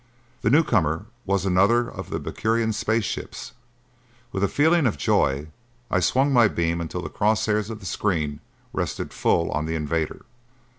The newcomer was another of the Mercurian space ships; with a feeling of joy I swung my beam until the cross hairs of the screen rested full on the invader.